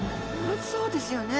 そうですよね。